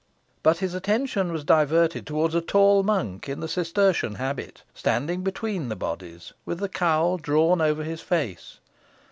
But his attention was diverted towards a tall monk in the Cistertian habit, standing between the bodies, with the cowl drawn over his face.